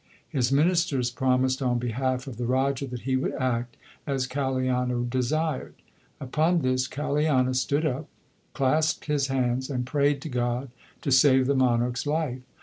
His ministers promised on behalf of the Raja that he would act as Kaliana desired. Upon this Kaliana stood up, clasped his hands, and prayed to God to save the monarch s life.